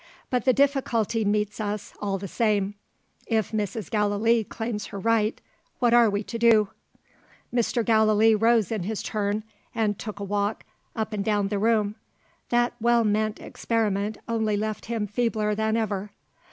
But the difficulty meets us, all the same. If Mrs. Gallilee claims her right, what are we to do?" Mr. Gallilee rose in his turn, and took a walk up and down the room. That well meant experiment only left him feebler than ever.